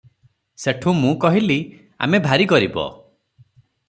ସେଠୁଁ ମୁଁ କହିଲି- "ଆମେ ଭାରୀ ଗରିବ ।